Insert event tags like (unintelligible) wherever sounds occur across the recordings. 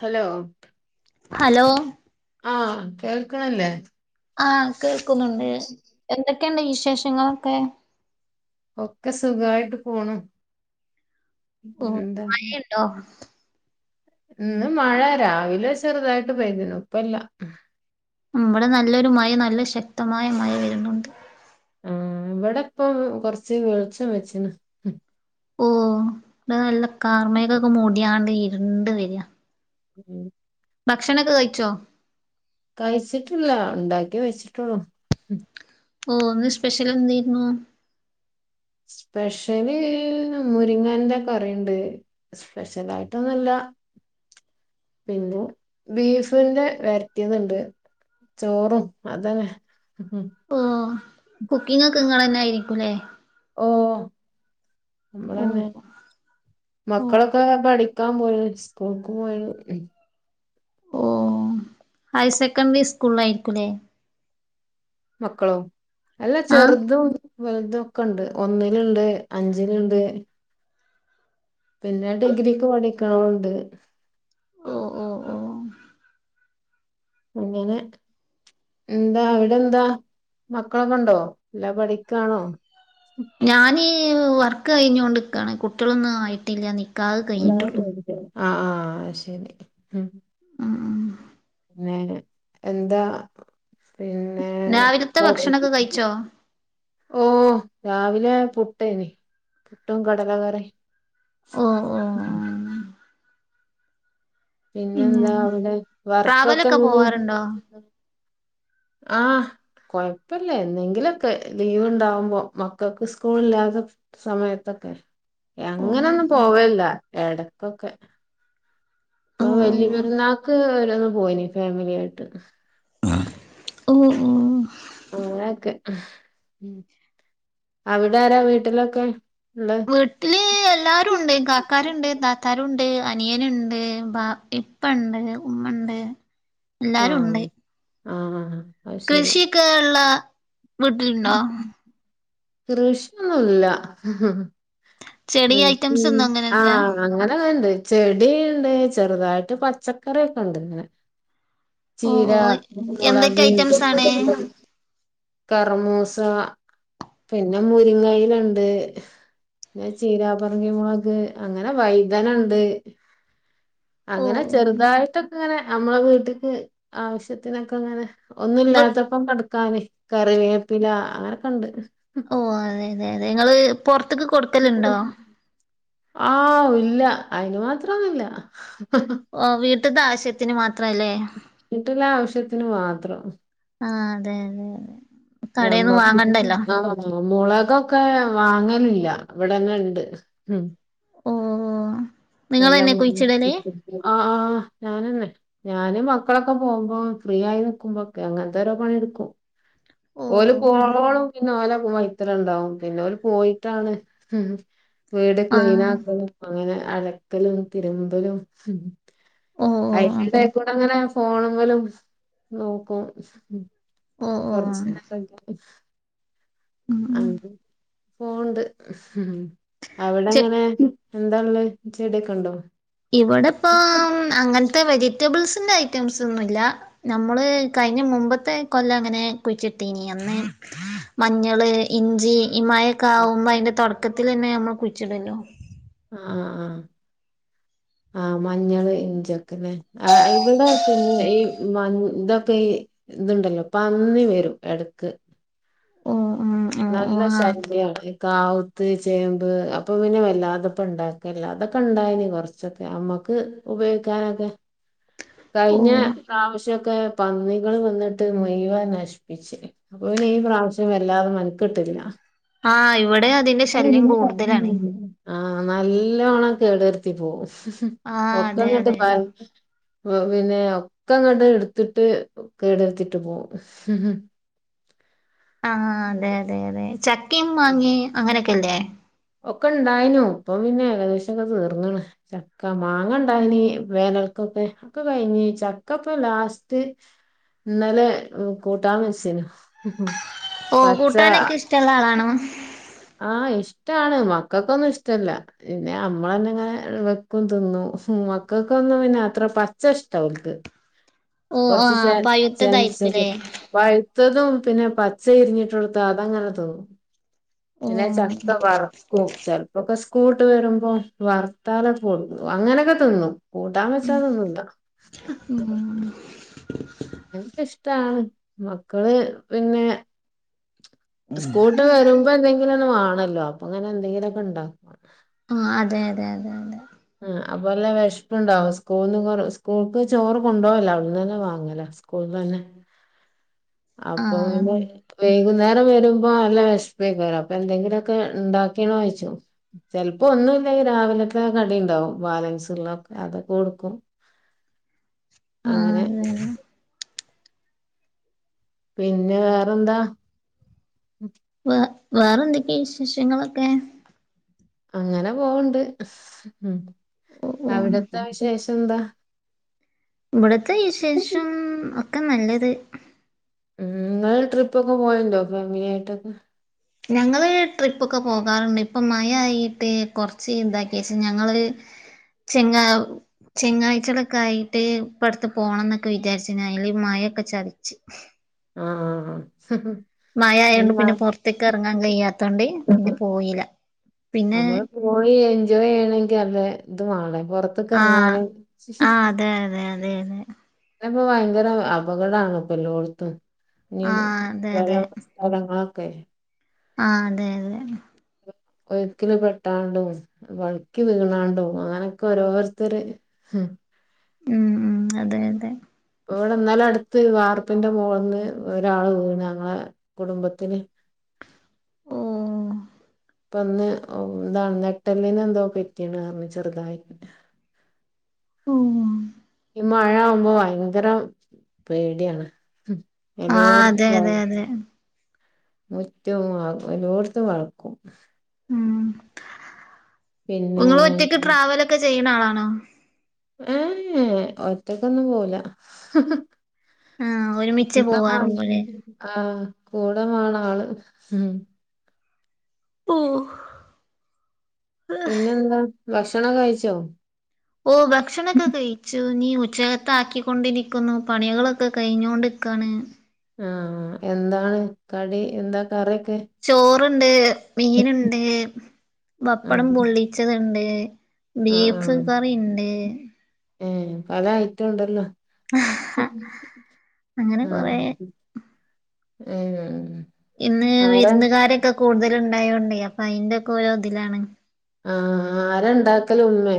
Hello hello ആകേൾക്ക്ണല്ലേ... ആകേൾക്കുന്നുണ്ട് എന്തൊക്കെയുണ്ട് വിശേഷങ്ങളൊക്കെ ഒക്കെ സുഖായിട്ട് പോണു ഓ പിന്നെ എന്താ മഴയുണ്ടോ ഇന്ന് മഴ രാവിലെ ചെറുതായിട്ട് പെയ്തിന്നു ഇപ്പ ഇല്ലാ ബ്ടെ നല്ലൊരു മഴ നല്ല ശക്തമായ മഴ വരുന്നുണ്ട് ആഇവിടെ ഇപ്പം കൊറച്ച് വെളിച്ചം വെച്ചിണ് ഓ ഇവിടെ നല്ല കാർമേഗംക്കൊക്കെ മൂടിയണ്ട് ഇരുണ്ട് വരിക. ഉം. ഭക്ഷണൊക്കെ കഴിച്ചോ. കഴിച്ചിട്ടില്ല ഉണ്ടാക്കി വച്ചിട്ടുള്ളൂ. ഓ ഇന്ന് സ്പെഷ്യൽ എന്തയ്രുന്നു. സ്പെഷ്യല് മുരിങ്ങന്റെ കറിൻണ്ട് സ്പെഷ്യല ആയിട്ടൊന്നുല്ലാ. (inaudible) പിന്നെ ബീഫിന്റെ വെരറ്റിയേത് ഇണ്ട്. ചോറും അതന്നെ മ് കുക്കിംഗ ഒക്കെ ങ്ങള്ളെ ന്നായിരിക്കും ല്ലേ. ഓ ഓ നമ്മള്ളെന്നെ ഓ മക്കളൊക്കെ പഠി ക്ക പോയി സ്കൂൾക്ക പോയ്. ഓ ഹയർ സെക്കൻഡറി സ്കൂള്ളാ യിരിക്കുല്ലേ. മക്കളോ അല്ല ആഹ് ചെറുതും വലുതൊക്കെ ഇണ്ട് ഒന്നിലുണ്ട്, അഞ്ചിലുണ്ട് പിന്നെ ഡിഗ്രിക്ക് പഠിക്കണതുണ്ട്. ഓ ഓ ഓ അങ്ങനെ എന്താ അവിടെ എന്താ മക്കളൊക്കെ ഉണ്ടോ അല്ലാ പഠിക്കാണോ. ഞാന് വർക്ക് കഴിഞ്ഞോണ്ട്ക്കാണ് കുട്ടികളൊന്നും ആയിട്ടില്ല ന്നെ ആ ആ ശരി ഉം ഉം പിന്നെ എന്താ പിന്നെ രാവിലത്തെ പ്പ ഭക്ഷണൊക്കെ കഴിച്ചോ ഓ. രാവിലെ പുട്ട്യ്നി പുട്ടും കടല കറിയും. ഓ ഓ ഉം. പിന്നെ പിന്നെന്താ അവിടെ വർക്കൊക്കെ ട്രാവലൊക്കെ എങ്ങിനെ പോവാറുണ്ടോ ആ കൊഴപ്പില്ല എന്തെങ്കിലൊക്കെ ലീവ് ഇണ്ടാവുമ്പോ മക്കൾക്ക് സ്കൂളില്ലാത്ത സമയത്തൊക്കെ കെ ഓ അങ്ങനെയൊന്നും പോവലില്ല എടക്കൊക്കെ ഓ ഇപ്പൊ വല്യ പെരുന്നാക്ക് ഒരോന്ന് പോയിനി ഫാമിലി ആയിട്ട് ഓ ഓ (unintelligible) അവിടാരാ വീട്ടിലൊക്കെ ഉള്ളെ വീട്ടില് എല്ലാരുണ്ട് കാക്കാരുണ്ട് താത്താരുണ്ട് അനിയനുണ്ട് ബാപ്പ ഇപ്പണ്ട് ഇമ്മണ്ട് എല്ലാരുണ്ട് ആ ആ കൃഷി ക്കെ ഇള്ള വീട്ടിലുണ്ടോ കൃഷി ല്ല ചെടി കൃഷി ഐറ്റംസ് ഒന്നും ആ അങ്ങനെല്ല അങ്ങനെ ണ്ട് ചെടീണ്ട് ചെറുതായിട്ട് പച്ചക്കറിയൊക്കെണ്ട് ഇങ്ങനെ ഓ ചീര, ഓ മുളക്, എന്തൊക്കെ ഐറ്റംസ് ആണ് കറമൂസ്. സ പിന്നെ മുരിങ്ങയിലണ്ട് പിന്നെ ചീരാ പറങ്കി മൊളക് അങ്ങനെ വൈതനണ്ട് ഓ അങ്ങനെ ഓ ചെറുതായിട്ടൊക്കെങ്ങനെ നമ്മളെ വീട്ടിക്ക് ആവശ്യത്തിനൊക്കെങ്ങനെ ഒന്നും ങ്ങൾ ഇല്ലാത്തപ്പം കടക്കാന് കറിവേപ്പില അങ്ങനൊക്കെണ്ട് ഓ അതെ അതെ അതെ നിങ്ങള് പൊറത്തേക്ക് കൊടുക്കല്ണ്ടോ ആ ഔ ഇല്ല അയിന് മാത്രൊന്നില്ല ഓ വീട്ട്ത്തെ ആശ്യത്തിന് മാത്രല്ലേ വീട്ടിലെ ആവശ്യത്തിന് മാത്രം ആ അതെ ല്ലെ ഞമ്മക്ക് ആ മുളകൊക്കെ വാങ്ങല് ഇല്ല ഇവിടെന്നെ ഇണ്ട് മ് ഓ ല്ലാം നിങ്ങളെന്നെ കുഴിച്ചിടല് (unintelligible) ആ ആ ഞാനന്നെ ഞാനും മക്കളൊക്കെ പോകുമ്പോ ഫ്രീ ആയി നിക്കുമ്പോക്കെ അങ്ങനത്തെ ഓരോ പണിടുക്കും ഓ ഓല് പോണോളം പിന്നെ ഓലെ വൈതലേ ഇണ്ടാവും പിന്നെ ഓല് പോയിട്ടാണ് വീട് ക്ലീന് ആഹ് ആക്കലും അങ്ങനെ അലക്കലും തിരുമ്പലും ഓ ഓ ആഹ് ആയിട്ട് ടെങ്ങനെ ഫോണ് മലും നോക്കും ഓ ഓ കൊറച്ച് ഉം ഉം (unintelligible) ഫോണ്ട് അവിടെ ചെ അങ്ങനെ എന്തള്ളേ ചെടിയൊക്കെ ഉണ്ടോ ഇവിടെ ഇപ്പ അങ്ങനത്തെ വെജി റ്റബിൾസിന്റെറെ ഐറ്റംസ് ഒന്നുല്ല നമ്മൾ കഴിഞ്ഞ മുമ്പത്തെ കൊല്ലം അങ്ങനെ കുയിച്ചിട്ടീനി മഞ്ഞള് ഇഞ്ചി ഈ മഴൊക്കെ ആകുമ്പോ അതിന്റെ തുടക്കത്തിൽ തന്നെ നമ്മൾ കുയിച്ചിടല്ലോ ആ ആ ആ മഞ്ഞള് ഇഞ്ചിഒക്കെലേ ആ ഇവിടെ പിന്നെ ഈ മ ഇതൊക്കെ ഈ ഇതുണ്ടല്ലോ പന്നി വരും എടക്ക് ഓ ആ ഓ നല്ല ഓ ശല്യാണ് കാവൂത്ത് ചേമ്പ് അപ്പൊ പിന്നെ വല്ലാതെപ്പ ഉണ്ടാക്കല്ല അതൊക്കെ ഇണ്ടായിനി കൊറച്ചൊക്കെ നമ്മക്ക് ഉപയോഗിക്കാനൊക്കെ ഓ കഴിഞ്ഞ പ്രാവശ്യം (unintelligible) പന്നികള് വന്നിട്ട് മുയുവൻ നശിപ്പിച്ച് അപ്പൊ പിന്നെ ഈ പ്രാവശ്യം വല്ലാതെ മെനക്കെട്ടില്ല ആ ഇവിടെ അതിന്റെ ശല്യം കൂടുതലാണ് ആ നല്ലോണം കേടു വരുത്തി പോവും ആ അതെ ഒക്കങ്ങട്ട് അതെ മ് പിന്നെ ഒക്കെങ്ങണ്ട് എടുത്തിട്ട് കേടെടുത്തിട്ട് പോകും ആ അതെ അതെ അതെ ചക്കി മാങ്ങി അങ്ങനെയൊക്കെല്ലേ ഒക്കെ ഇണ്ടായിനു ഇപ്പ പിന്നെ ഏകദേശം ഒക്കെ തീർന്ന്ണ് ചക്ക മാങ്ങ ഉണ്ടായിനീ വേ ക്കൊക്കെ ഒക്കെ കഴിഞ്ഞ് ചക്കപ്പൊ ലാസ്റ്റ് ഇന്നലെ കൂട്ടാ വച്ച്നു ഓ കൂട്ടാനൊക്കെ ഇഷ്ടള്ള ആളാണോ ആ ഇഷ്ടാണ് മക്കൾക്കൊന്നും ഇഷ്ടല്ല പിന്നെ നമ്മളന്നെ ഇങ്ങനെ വെക്കും തിന്നു മ മക്കക്ക ഒന്ന പിന്നെ അത്ര പച്ച ഇഷ്ടാളക്ക് ഓ ആ കുറച്ച് ചൻ ചൻച്ചത് പഴുത്തതായിരിക്കുല്ലേ പഴുത്തതും പിന്നെ പച്ച ഇരിഞ്ഞിട്ട് കൊടുത്ത അതങ്ങനെ തിന്നു ഓ പിനെ ചക്ക വർക്കും ചല് പക് കൂട്ട് വരുമ്പോ വർത്താല്ക്ക് തിന്നും അങ്ങനൊക്കെ തിന്നും കൂട്ടാൻ വെച്ചാൽ തിന്നുല്ല മ്മ്ഹ് ഇാണ് മക്കൾ പിന്നെ സ്കൂൾട്ട് വരുമ്പോ എന്തെങ്കിലും ഒന്ന് വേണല്ലോ അപ്പൊ അങ്ങനെ എന്തെങ്കിലെക്കെ ഉണ്ടാക്കും ആ അതെ അതെ അതെ അതെ അ അപ്പല്ല വശപ്പ് ഉണ്ടാവും സ്കൂൾന്ന് സ്കൂൾക്ക് ചോറ് കൊണ്ടോവല്ല അവിട്ന്നനെ വാങ്ങല സ്കൂൾനന്നെ ആ അപ്പൊവൽ വൈകുന്നേരം വരുമ്പോ നല്ല വെശ്പേക്കല്ലോ അപ്പൊ എന്തെങ്കിലെക്കെ ഇണ്ടാക്കിനെയിണച്ചും ഇപ്പൊ ഒന്നുല്ലകി രാവിലക്കെ കടിണ്ടാവും ബാലൻസ്ള്ള ഒക്കെ അതൊക്കെ കൊടുക്കും ആ അങ്ങനെ അതെ അതെ പിന്നെ വേറെന്താ വ വേറെ എന്തൊക്കെയാ വിശേഷങ്ങളൊക്കെ അങ്ങനെ പോവണ്ട് ഓ ഓ അവിടത്തെ വിശേഷ ഷന്ത ഇവിടത്തെ വിശേഷം ഒക്കെ നല്ലത് ഉം നിങ്ങൾ ട്രിപ്പക്കെ പോവൽടെ ഫാമിലി യെട്ട് ഞങ്ങള് ട്രിപ്പൊക്കെ പോകാറുണ്ട് ഇപ്പ മഴ ആയിട്ട് കുറച്ച് ഇതാക്കിയച്ചെ ഞങ്ങള് ചെങ്ങ ചെങ്ങാഴ്ചളക്കെ ആയിട്ട് ഇപ്പടുത്ത് പോണന്നൊക്കെ വിചാര്ച്ചിലനെ അയിൽമഴ ഴ ചതിച്ച് ആഹ് മഴ ഈ ആയയെണ്ട് മ പിന്നെ പുറ്ത്ത്ക്ക് അറങ്ങാൻ കയ്യാത്തോണ്ട് പിന്നെ പോയില്ല പിന്നെ നമ്മള് പോയി എൻജോയ് ചെയ്യണങ്കിൽ അല്ല ഇത് വാളെ പുറത്ത്ക്ക് അറങ്ങാൻ ആഹ് ആഹ് അതെ അതെ അതെ അതെ പ്പോ ഭയങ്കര അപകടണ്പ്പ എല്ലോട്ത്തും ഇനി ആഹ് അതെ അതെ സ്ഥലങ്ങള ക്കെ ആഹ് അതെന്നെ അതെ ഒക്കില് പെട്ടാണ്ടാടും വഴുക്കി വീണണ്ടും അങ്ങനൊക്കെ ഓരോരുത്തർ ഹം മ്മ് അതെ അതെ ഇപവിടെ ഇന്നാല അട്ത്ത് വാർപ്പിന്റെ മോൾന്ന് ഒരാള് വീണ് ഞങ്ങളെ കുടുംബത്തിൽ (unintelligible) ഓഹ് ഇപ്പന്ന് എന്താണ് നെട്ടലിന് എന്തോ പെറ്റിയണ് ചെറ്തായിട്ട് മ്മ് മഴ ആവുമ്പോ ഭയങ്കര പേടിയാണ് ആഹ് എല്ലെട്തു അതെ അ അതെ അതെ മുറ്റെ വകും എഒടുത്ത് വഴക്കും മ്മ് പിന്നെ നിങ്ങൾ ഒറ്റയ്ക്ക് ട്രാവലൊക്കെ ചെയ്യ്ണ ആളാണോ ഏഹ് ഒറ്റക്കൊന്നും പോവൂല ആഹ് ഇന്ത (unintelligible) ആഹ് കൂടെ വേണം ആള് ഉം ഓഹ് പിന്നെന്താ ഭക്ഷണം കഴിച്ചോ ഞാനീ ഉച്ചക്കത്ത ആക്കിക്കൊണ്ടിരിക്കുന്നു പണികളൊക്കെ കഴിഞ്ഞോണ്ടിക്കാണ് ആഹ് എന്താണ് കടി എന്താ കറിയൊക് ചോറുണ്ട് മീനുണ്ട് വപ്പടം ആഹ് പൊള്ളിച്ചതുണ്ട് ആഹ് ബീഫ് ആഹ് കറിണ്ട് ഏഹ് പല ഐറ്റം ഉണ്ടല്ലോ അങ്ങനെ കൊറെ ആഹ് ഉം ഇന്ന് വിരുന്നുകാരൊക്കെ കൂടുതൽ ഉണ്ടായോണ്ടേ അപ്പൊ അതിന്റെക്കെ ഓരോഇതിലാണ് ആഹ് ആര ഉണ്ടാക്കല് ഉമ്മേ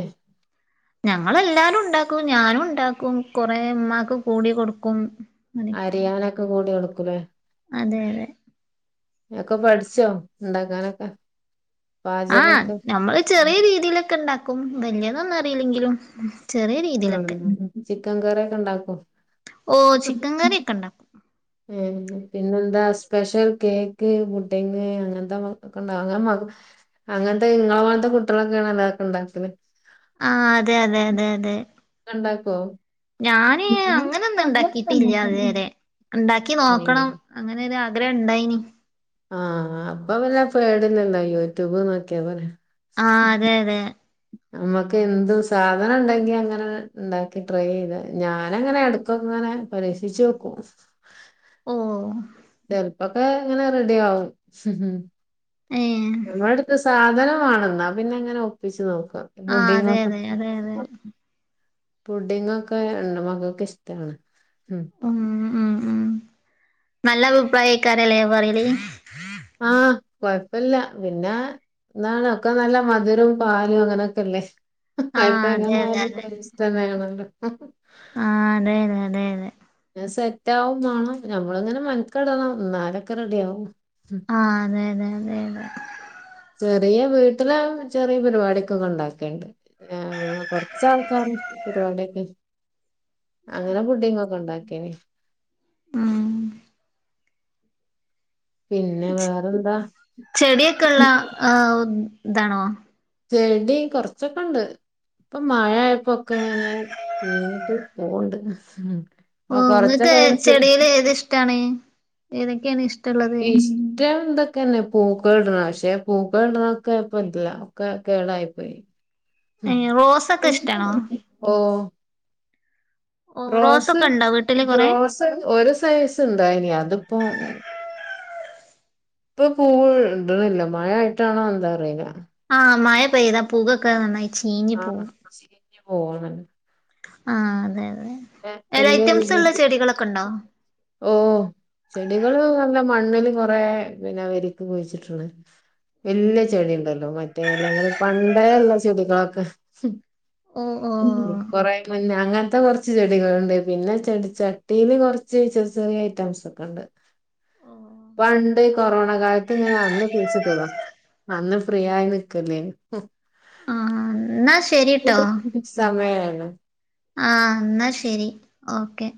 ഞങ്ങളെല്ലാരും ഉണ്ടാക്കും ഞാനും ഉണ്ടാക്കും കൊറെ ഉമ്മാക്ക് കൂടി കൊടുക്കും അങ്ങനെയൊക്കെയാണ് അരിയാനൊക്കെ കൂടി കൊടുക്കുലേ അതെ അതെ ഒക്കെ പഠിച്ചോ ഉണ്ടാക്കാനൊക്കെ ആഹ് നമ്മള് ചെറിയ രീതിലൊക്കെ ഉണ്ടാക്കും വല്യതൊന്നും അറിയില്ലെങ്കിലും ചെറിയ രീതിയിലൊക്കെ ആഹ് ചിക്കൻ കറിഒക്കെ ഉണ്ടാക്കോ ഓഹ് ചിക്കൻ കറി ഒക്കെ ഉണ്ടാക്കും പിന്നെന്താ സ്പെഷ്യൽ കേക്ക് ബുഡ്ഢിങ് അങ്ങനത്തെ മ കൊണ്ടാ അങ്ങനെ മക അങ്ങനത്തെ ഇങ്ങളെ പോലത്തെ കുട്ടികളൊക്കെയാണ് ഉണ്ടാക്കണ്ടെ പിന്നെ ആഹ് അതെ അതെ അതെ അതെ ഇങ്ങള് ഇണ്ടാക്കോ ഞാന് അങ്ങനെന്നും ഇണ്ടാക്കിട്ടില്യാ ഇതുവരെ ഉണ്ടാക്കി നോക്കണം അങ്ങനെ ഒരു ആഗ്രഹം ഇണ്ടായിന് ആഹ് അപ്പൊ വല്ല പേടുന്ന എന്താ യൂട്യൂബ് നോക്കിയ പോരെ ആഹ് അതെ അതെ നമ്മുക്ക് എന്തും സാധനം ഉണ്ടെങ്കി അങ്ങനെ ഉണ്ടാക്കി ട്രൈ ചെയ്ത ഞാനങ്ങനെ എടുക്കൊക്കങ്ങനെ ഞാൻ പരേസിച്ച് നോക്കും ഓഹ് ചെലപ്പോക്കെ ഇങ്ങനെ റെഡി ആവും. ഏഹ് നമ്മുടെ അടുത്ത് സാധനം വാണെന്നാ പിന്നെ എങ്ങനെ ഒപ്പിച്ച് നോക്കു ക്കും ആഹ് അതെ ബുഡിങൊക്കേ അതെ അതെ അതെ (unintelligible) പുഡ്ഢിങ്ങൊക്കെ എന്റെ മക്കക്ക്‌ ഇഷ്ടാണ് ഉം ഉം ഉം നല്ല അഭിപ്രായക്കാരല്ലേ പറയല് ആഹ് കൊഴപ്പില്ല പിന്നെ എന്നാണ് ഒക്കെ നല്ല മധുരം പാലും അങ്ങനൊക്കെല്ലേ. ഇപ്പ ആഹ് എങ്ങെ അതെ അതെ ആയാലും അതെ ടെസ്റ്റ്‌ന്നെണല്ലോ ആഹ് അതെ അതെ അതെ അതെ സെറ്റ് ആവും വേണം നമ്മളിങ്ങനെ മെനക്ക്ടണം നാലൊക്കെ റെഡി ആവും. ആഹ് അതെ അതെ അതെ അതെ ചെറിയ വീട്ടില് ചെറിയ പരിപാടിക്ക്‌ ഒക്കെ ഉണ്ടാക്കണ്ട് ഏഹ് കൊറച്ചാൾക്കാർ പരിപാടിയൊക്കെ അങ്ങനെ പുട്ടിങ്ങൊക്കെ ഉണ്ടാക്കേനി ഉം പിന്നെ ചെ വേറെന്താ ചെടിയൊക്കെ ഉള്ള ആഹ് ഇതാണോ? ചെടി കൊറച്ചൊക്കെണ്ട്. ഇപ്പൊ മഴയായപ്പോക്കെ അങ്ങനെ പെയ്ഞ്ഞിട്ട് പോവണ്ട് ഓഹ് നിങ്ങൾക്ക് ചെടിയില് ഏത് ഇഷ്ടാണ് ഏതൊക്കെയാണ് ഇഷ് ഇഷ്ടം എന്താ ക്കന്നെ പൂക്കൾ ഇടണം പക്ഷെ പൂക്കളിടണൊക്കെ ഇപ്പ ഇല്ല കേടായി പോയി. റോസൊക്കെ ഇഷ്ടാണോ ഓ ഓ റോസ് റോസൊക്കെ ഉണ്ടോ വീട്ടില് കൊറെ റോസ് ഒരു സൈസ് ഇന്തായിനി അതിപ്പോ ഇപ്പൊ പൂവ് ഇടുന്നില്ല. മഴയായിട്ടാണോ എന്താ അറീല്ല ആഹ് മഴ പെയ്താ പൂവൊക്കെ നന്നായി ചീഞ്ഞു ആഹ് ചീഞ്ഞ് പോണ്. ആഹ് അതെ അതെ എല ഐറ്റംസ് ഉള്ള ചെടികളൊക്കെ ഉണ്ടോ ഓ ചെടികള് നല്ല മണ് മണ്ണില് കൊറ പിന്നെ വെരിക്ക് കുഴിച്ചിട്ടുണ്ട് വല്യ ചെടി ഉണ്ടല്ലോ മറ്റേ ഇലകള് പണ്ടെ ള്ള ചെടികളൊക്കെ ഓ ഓ കുറെ മഞ്ഞ അങ്ങനത്തെ കുറ റച്ചു ചെടികളുണ്ട് പിന്നെ ചെടി ചട്ടിൽ കുറച്ച് ചെറിയ ചെറിയ ഐറ്റംസ് ഒക്കെ ഉണ്ട്. ഓ പണ്ട് കൊറോണ കാലത്ത് ഫ്രിയായ് നിക്കല്ലേ. ആഹ് എന്ന ശ സമയമായല്ലോ ആഹ് എന്നാ ശെരി ഓക്കെ.